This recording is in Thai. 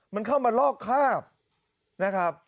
มันเข้ามาลอกคราบนะครับ